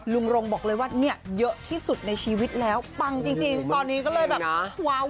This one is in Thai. รงบอกเลยว่าเนี่ยเยอะที่สุดในชีวิตแล้วปังจริงตอนนี้ก็เลยแบบว้าว